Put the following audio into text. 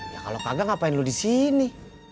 ya kalau kagak ngapain lo disini